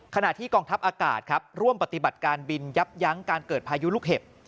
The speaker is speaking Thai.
ขณะที่กองทัพอากาศครับร่วมปฏิบัติการบินยับยั้งการเกิดพายุลูกเห็บ